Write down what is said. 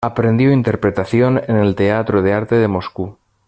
Aprendió interpretación en el Teatro de Arte de Moscú.